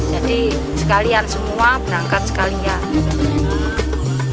sekalian semua berangkat sekalian